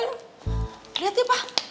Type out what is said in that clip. liat ya pak